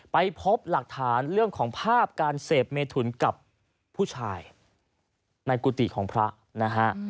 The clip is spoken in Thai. ไปพบหลักฐานเรื่องของภาพการเสพเมถุนกับผู้ชายในกุฏิของพระนะฮะ